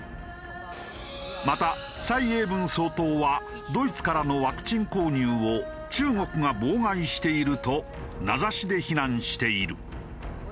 また蔡英文総統はドイツからのワクチン購入を中国が妨害していると名指しで非難している。